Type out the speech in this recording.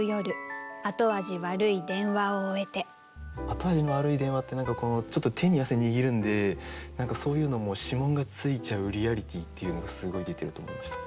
後味の悪い電話って何かちょっと手に汗握るんで何かそういうのも指紋がついちゃうリアリティーっていうのがすごい出てると思いました。